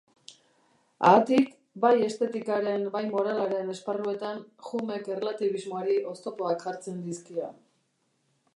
Haatik, bai estetikaren bai moralaren esparruetan Humek erlatibismoari oztopoak jartzen dizkio.